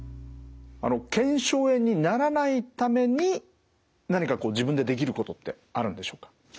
腱鞘炎にならないために何か自分でできることってあるんでしょうか？